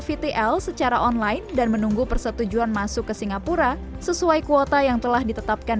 vtl secara online dan menunggu persetujuan masuk ke singapura sesuai kuota yang telah ditetapkan